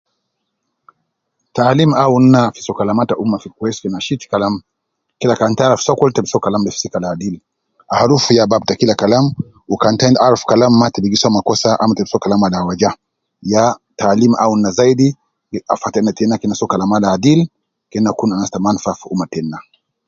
Taalim awunu ina fi so kalama ta ummah kweis fi nashit Kalam Kila kan ita arufu sokol ta bi so sokol adil arufu ya baab a Kila kalam kan tarufu Kalam maa ita bi so Kalam awaja. Yaa taalim awunu ina zaidi fata ema teina kede Ina so Kalam Al kweis